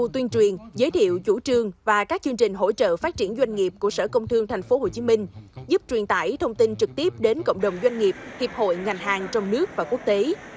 tuyên truyền giới thiệu chủ trương và các chương trình hỗ trợ phát triển doanh nghiệp của sở công thương tp hcm giúp truyền tải thông tin trực tiếp đến cộng đồng doanh nghiệp hiệp hội ngành hàng trong nước và quốc tế